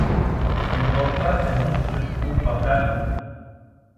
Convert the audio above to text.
στην πόρτα ενός φτωχικού μπακάλικου